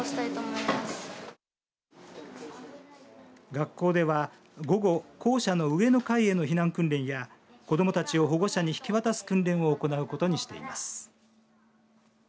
学校では午後、校舎の上の階への避難訓練や子どもたちを保護者に引き渡す訓練を行うことにしています。